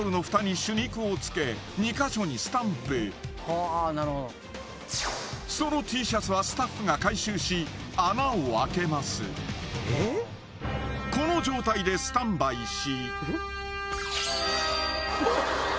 まずはそのＴシャツはスタッフが回収しこの状態でスタンバイし・